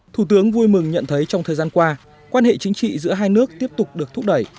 thủ tướng vui mừng nhận thấy trong thời gian qua quan hệ chính trị giữa hai nước tiếp tục được thúc đẩy